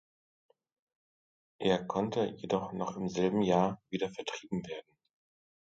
Er konnte jedoch noch im selben Jahr wieder vertrieben werden.